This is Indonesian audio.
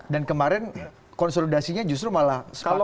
dan kemarin konsolidasinya justru malah sepakat untuk mengikuti pleno